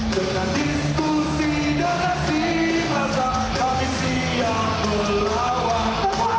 dengan diskusi dan nasib mazal kami siap melawan